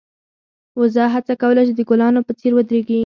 وزه هڅه کوله چې د ګلانو په څېر ودرېږي.